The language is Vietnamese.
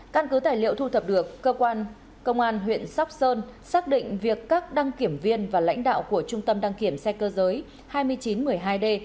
căn cứ tài liệu thu thập được cơ quan công an huyện sóc sơn xác định việc các đăng kiểm viên và lãnh đạo của trung tâm đăng kiểm xe cơ giới hai nghìn chín trăm một mươi hai d